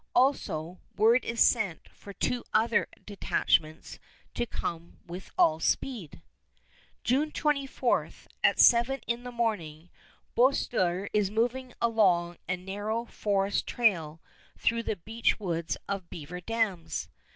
Also, word is sent for two other detachments to come with all speed. June 24, at seven in the morning, Boerstler is moving along a narrow forest trail through the beech woods of Beaver Dams.